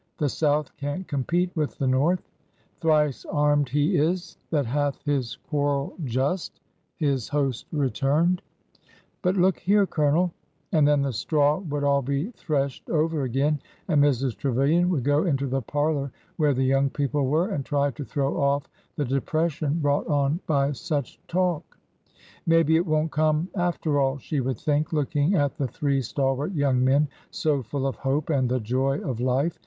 The South can't compete with the North." ' Thrice armed he is that hath his quarrel just/ " hi5 host returned. WHEN HEARTS ARE YOUNG 143 " But look here, Colonel—'' And then the straw would all be threshed over again, and Mrs. Trevilian would go into the parlor where the young people were and try to throw off the depression brought on by such talk, " Maybe it won't come, after all," she would think, looking at the three stalwart young men so full of hope and the joy of life.